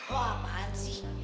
oh apaan sih